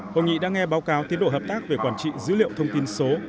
hội nghị đã nghe báo cáo tiến độ hợp tác về quản trị dữ liệu thông tin số